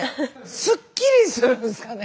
すっきりするんすかね？